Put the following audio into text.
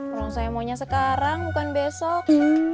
kalau saya maunya sekarang bukan besok